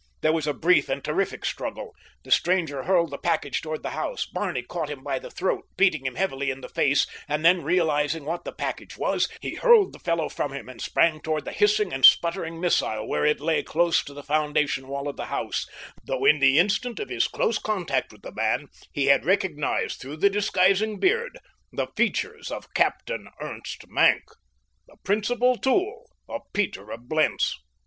There was a brief and terrific struggle. The stranger hurled the package toward the house. Barney caught him by the throat, beating him heavily in the face; and then, realizing what the package was, he hurled the fellow from him, and sprang toward the hissing and sputtering missile where it lay close to the foundation wall of the house, though in the instant of his close contact with the man he had recognized through the disguising beard the features of Captain Ernst Maenck, the principal tool of Peter of Blentz.